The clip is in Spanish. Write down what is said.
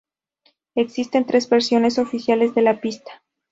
Existen tres versiones oficiales de la pista.